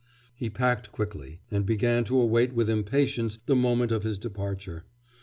He packed quickly, and began to await with impatience the moment of his departure.